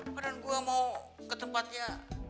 padahal gue mau ke tempatnya